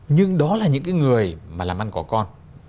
nhưng đó là những cái người mà làm ăn có con